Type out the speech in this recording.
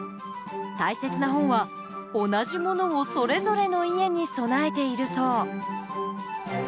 大切な本は同じものをそれぞれの家に備えているそう。